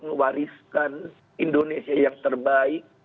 ngewariskan indonesia yang terbaik